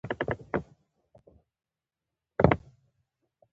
ولې يې اغوندي.